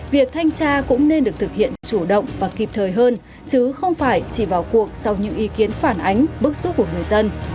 việc thanh tra cũng nên được thực hiện chủ động và kịp thời hơn chứ không phải chỉ vào cuộc sau những ý kiến phản ánh bức xúc của người dân